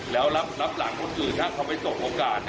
แล้วรับหลังคนอื่นถ้าเขาไปสบโอกาส